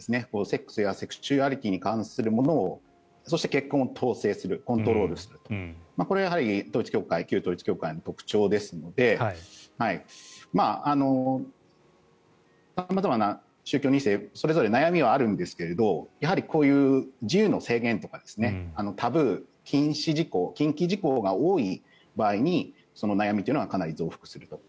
セックスやセクシュアリティーに関するものをそして、結婚を統制するコントロールするこれが旧統一教会の特徴ですので宗教２世それぞれ悩みはあるんですがやはりこういう自由の制限とかタブー、禁止事項禁忌事項が多い場合に悩みというのはかなり増幅すると。